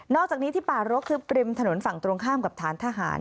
อกจากนี้ที่ป่ารกคือปริมถนนฝั่งตรงข้ามกับฐานทหาร